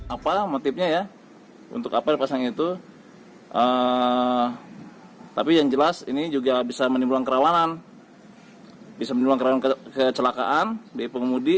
apa motifnya ya untuk apa yang terpasang itu tapi yang jelas ini juga bisa menimbulkan keralanan bisa menimbulkan keralanan kecelakaan dari pengundi